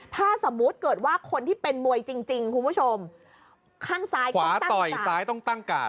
ถ้าสมมุติเกิดว่าคนที่เป็นมวยจริงคุณผู้ชมข้างซ้ายต้องตั้งกาด